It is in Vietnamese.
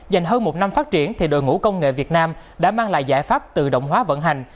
dành hơn một năm phát triển thì đội ngũ công nghệ việt nam đã mang lại giải pháp tự động hóa vận hành